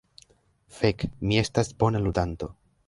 Fek, mi estas bona ludanto.